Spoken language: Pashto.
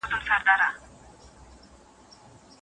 د ژورو اوبو غېږ کي یې غوټې سوې